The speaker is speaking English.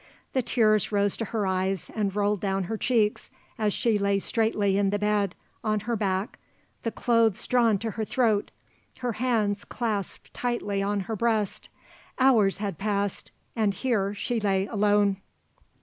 The tears rose to her eyes and rolled down her cheeks as she lay straightly in the bed, on her back, the clothes drawn to her throat, her hands clasped tightly on her breast. Hours had passed and here she lay alone.